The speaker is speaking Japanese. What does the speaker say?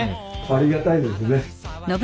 ありがたいですね。